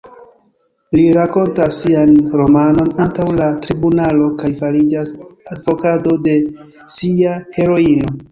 Li rakontas sian romanon antaŭ la tribunalo kaj fariĝas advokato de sia heroino...